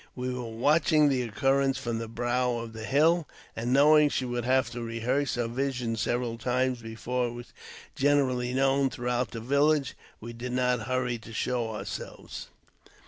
We were watching the occurrence from the bro^ of the hill ; and, knowing she would have to rehearse her vision several times before it was generally known thoughout^^ the village, we did not hurry to show ourselves.